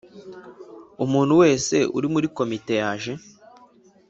Umuntu wese uri muri Komite yaje